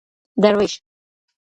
دروېش